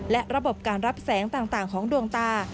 และระบบการรับแสงต่างของดวงตา